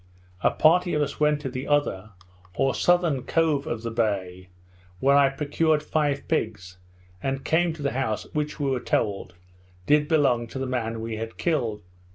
A party of us went to the other, or southern cove of the bay, where I procured five pigs, and came to the house which, we were told, did belong to the man we had killed.